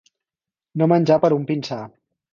No menjar per un pinsà.